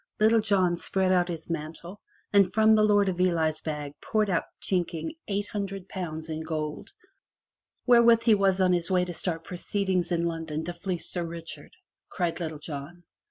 Little John spread out his mantle, and from the Lord of Ely's bag poured out chinking eight hundred pounds in gold, "Wherewith he was on his way to start proceedings in London to fleece Sir Richard!" cried Little John.